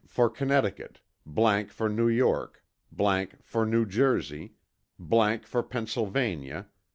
for Connecticut. for New York for New Jersey, for Pennsylvania.